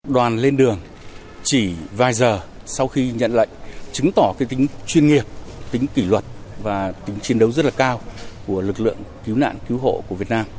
đoàn lên đường chỉ vài giờ sau khi nhận lệnh chứng tỏ cái tính chuyên nghiệp tính kỷ luật và tính chiến đấu rất là cao của lực lượng cứu nạn cứu hộ của việt nam